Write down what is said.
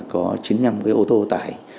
có chín mươi năm ô tô tải